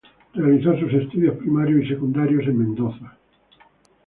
Realizó sus estudios primarios y secundarios en Mendoza.